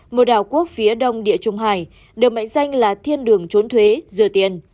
một đảo quốc phía đông địa trung hải được mệnh danh là thiên đường trốn thuế dừa tiền